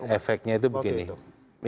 efeknya itu begini